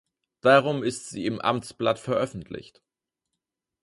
Darum ist sie im Amtsblatt veröffentlicht.